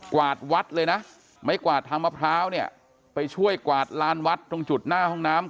วาดวัดเลยนะไม้กวาดทางมะพร้าวเนี่ยไปช่วยกวาดลานวัดตรงจุดหน้าห้องน้ำ